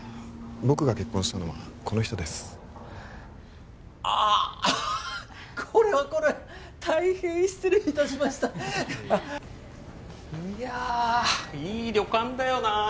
僕が結婚したのはこの人ですあっこれはこれは大変失礼いたしましたいやいい旅館だよな